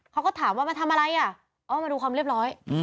เขาก็ถามว่ามาทำอะไรอ่ะอ๋อมาดูความเรียบร้อย